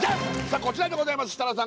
こちらでございます設楽さん